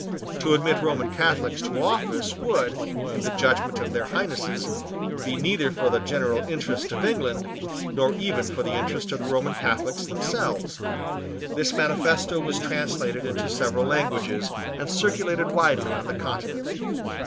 To admit Roman Catholics to office would, in the judgment of their Highnesses, be neither for the general interest of England nor even for the interest of the Roman Catholics themselves. This manifesto was translated into several languages, and circulated widely on the Continent.